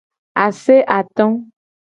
Ase ato.